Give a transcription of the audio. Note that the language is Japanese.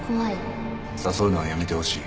誘うのはやめてほしい。